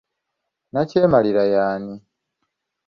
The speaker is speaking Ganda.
Nakyemalira y'ani?